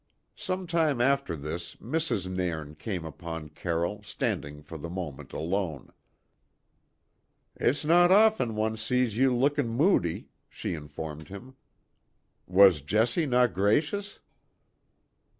Some time after this Mrs. Nairn came upon Carroll standing for the moment alone. "It's no often one sees ye looking moody," she informed him. "Was Jessie no gracious?"